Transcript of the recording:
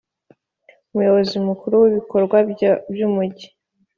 Umuyobozi mukuru w ibikorwa by umujyi